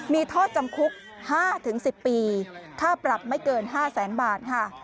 มีทศจำคุก๕๑๐ปีค่าปรับไม่เกิน๕๐๐๐๐๐บาท